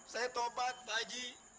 saya topat pak ji